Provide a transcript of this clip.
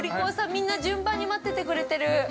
みんな順番に待っててくれてる。